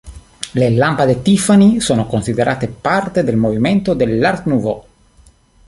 Le lampade Tiffany sono considerate parte del movimento dell"Art Nouveau".